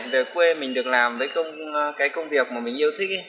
về quê mình được làm với cái công việc mà mình yêu thích